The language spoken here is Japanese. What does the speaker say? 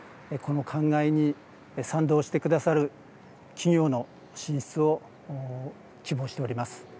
この考えに賛同してくださる企業の進出を希望しております。